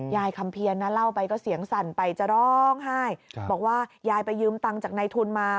คำเพียรนะเล่าไปก็เสียงสั่นไปจะร้องไห้บอกว่ายายไปยืมตังค์จากในทุนมา